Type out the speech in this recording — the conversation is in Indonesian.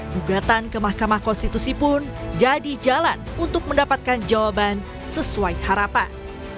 gugatan ke mahkamah konstitusi pun jadi jalan untuk mendapatkan jawaban sesuai harapan